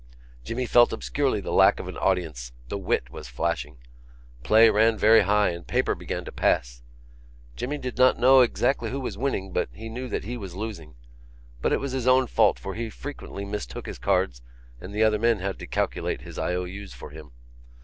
Jimmy felt obscurely the lack of an audience: the wit was flashing. Play ran very high and paper began to pass. Jimmy did not know exactly who was winning but he knew that he was losing. But it was his own fault for he frequently mistook his cards and the other men had to calculate his I.O.U.'s for him.